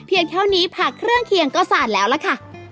เท่านี้ผักเครื่องเคียงก็สาดแล้วล่ะค่ะ